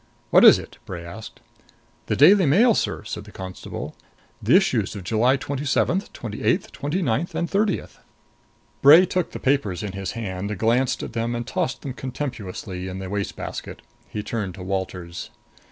"What is it?" Bray asked. "The Daily Mail, sir," said the constable. "The issues of July twenty seventh, twenty eighth, twenty ninth and thirtieth." Bray took the papers in his hand, glanced at them and tossed them contemptuously into a waste basket. He turned to Walters.